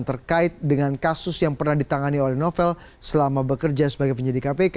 terkait dengan kasus yang pernah ditangani oleh novel selama bekerja sebagai penyidik kpk